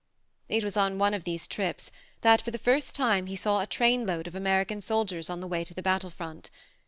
... It was on one of these trips that, for the first time, he saw a train load of American soldiers on the way to the battle front.